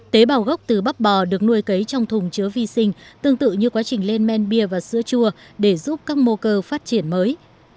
tế bào gốc từ bắp bò được nuôi cấy trong thùng chứa vi sinh tương tự như quá trình lên men bia và sữa chua để giúp các mô cơ phát triển mới